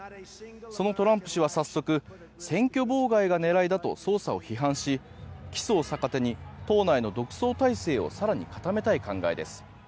そのトランプ氏は早速選挙妨害が狙いだと捜査を批判し起訴を逆手に党内の独走態勢を更に固めたい考えです。